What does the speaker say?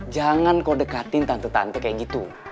jangan kau dekatin tante tante kayak gitu